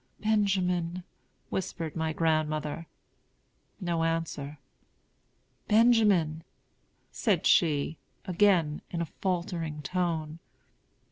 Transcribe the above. "Benjamin," whispered my grandmother. No answer. "Benjamin!" said she, again, in a faltering tone.